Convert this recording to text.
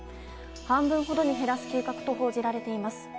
半分ほどに減らす計画と報じられています。